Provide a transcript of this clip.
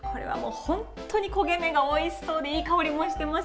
焦げ目がおいしそうでいい香りもしています。